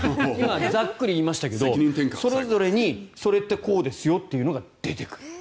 ざっくり言いましたけどそれぞれにそれってこうですよというのが出てくる。